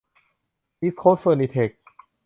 อีสต์โคสท์เฟอร์นิเทค